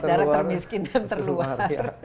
daerah terbiskin dan terluar